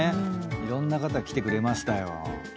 いろんな方来てくれましたよ。